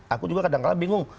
aku juga kadang kadang bingung